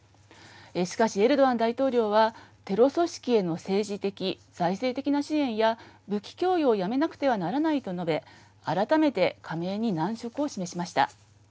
しかし、エルドアン大統領はテロ組織への政治的、財政的な支援や武器供与をやめなくてはならないと述べ改めて加盟に難色を示しました。